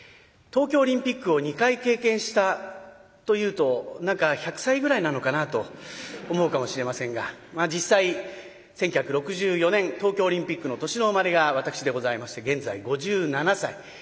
東京オリンピックを２回経験したと言うと何か１００歳ぐらいなのかなと思うかもしれませんが実際１９６４年東京オリンピックの年の生まれが私でございまして現在５７歳。